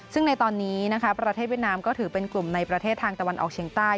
ซึ่งในตอนนี้นะคะประเทศเวียดนามก็ถือเป็นกลุ่มในประเทศทางตะวันออกเฉียงใต้